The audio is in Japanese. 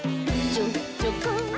チョ・チョ・コ！